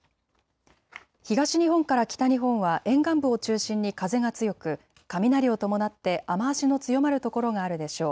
東日本から北日本は沿岸部を中心に風が強く雷を伴って雨足の強まる所があるでしょう。